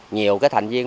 nhiều cái thành viên